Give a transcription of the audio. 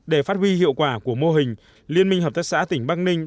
để phát huy hiệu quả của mô hình liên minh hợp tác xã tỉnh bắc ninh